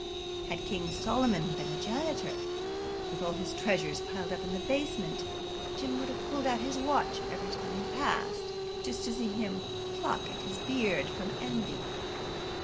Had King Solomon been the janitor, with all his treasures piled up in the basement, Jim would have pulled out his watch every time he passed, just to see him pluck at his beard from envy.